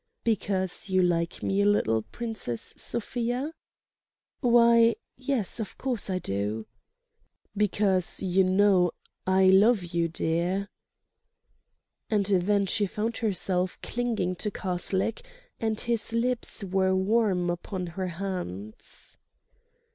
"Because you like me a little, Princess Sofia?" "Why—yes—of course I do—" "Because you know I love you, dear." And then she found herself clinging to Karslake; and his lips were warm upon her hands